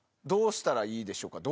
どうしたらいいでしょう？